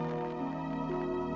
tidak ada apa apa